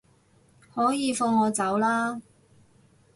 可以放我走喇